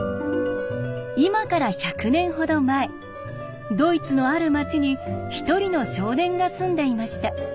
今から１００年ほど前ドイツのある街に一人の少年が住んでいました。